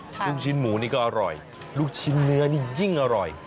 ลูกชิ้นหมูนี่ก็อร่อยลูกชิ้นเนื้อนี่ยิ่งอร่อย